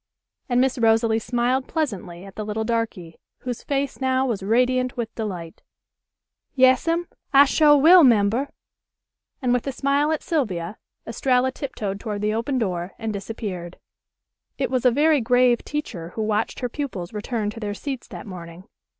and Miss Rosalie smiled pleasantly at the little darky, whose face now was radiant with delight. "Yas'm. I sho' will 'member," and with a smile at Sylvia, Estralla tiptoed toward the open door and disappeared. It was a very grave teacher who watched her pupils return to their seats that morning.